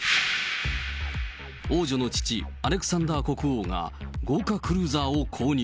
王女の父、アレクサンダー国王が、豪華クルーザーを購入。